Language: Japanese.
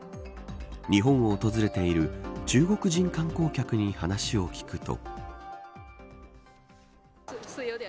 日本を訪れている中国人観光客に話を聞くと。